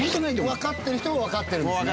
分かってる人は分かってる。